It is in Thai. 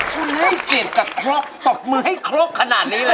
คุณให้เกรียดกับครกตบมือให้ครกขนาดนี้เลย